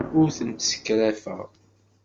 Ur tent-ssekrafeɣ.